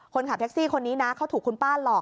คนขับแท็กซี่คนนี้นะเขาถูกคุณป้าหลอก